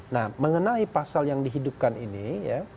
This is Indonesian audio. nah mengenai pasal yang dihidupkan ini ya